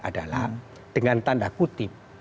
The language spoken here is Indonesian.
adalah dengan tanda kutip